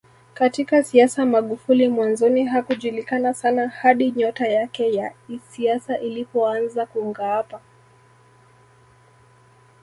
Katika siasa Magufuli mwanzoni hakujulikana sana hadi nyota yake ya isiasa ilipoanza kungaapa